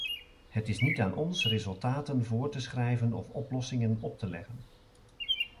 Het is niet aan ons resultaten voor te schrijven of oplossingen op te leggen.